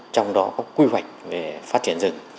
trong đó có quy hoạch về phát triển rừng